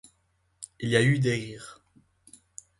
Il y eut des rires.